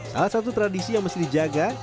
salah satu tradisi yang mesti dijaga